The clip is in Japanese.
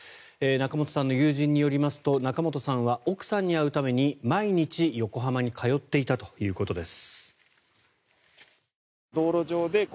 仲本さんの友人によりますと仲本さんは奥さんに会うために毎日、横浜に通っていたということです。